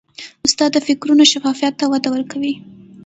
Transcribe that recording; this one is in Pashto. استاد د فکرونو شفافیت ته وده ورکوي.